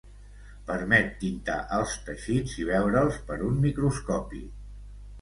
Permet tintar els teixits i veure'ls per un microscopi.